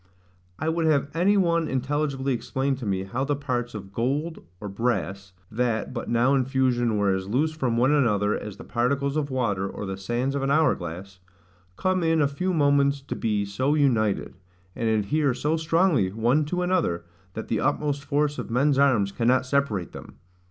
I would have any one intelligibly explain to me how the parts of gold, or brass, (that but now in fusion were as loose from one another as the particles of water, or the sands of an hour glass,) come in a few moments to be so united, and adhere so strongly one to another, that the utmost force of men's arms cannot separate them?